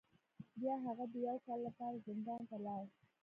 بیا هغه د یو کال لپاره زندان ته لاړ.